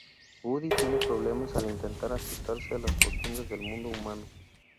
Buddy tiene problemas al intentar ajustarse a las costumbres del mundo humano.